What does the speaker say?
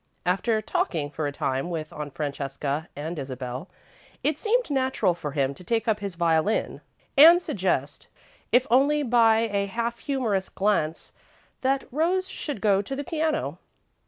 After talking for a time with Aunt Francesca and Isabel, it seemed natural for him to take up his violin and suggest, if only by a half humorous glance, that Rose should go to the piano.